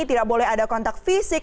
tidak boleh ada kontak fisik